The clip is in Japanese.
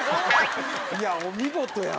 いやお見事や。